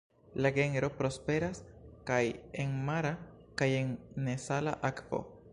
La genro prosperas kaj en mara kaj en nesala akvo.